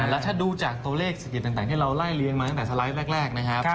แล้วถ้าดูจากตัวเลขเศรษฐกิจต่างที่เราไล่เลี้ยงมาตั้งแต่สไลด์แรกนะครับ